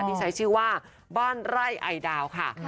ที่ใช้ชื่อว่าบ้านไร่ไอดาวค่ะ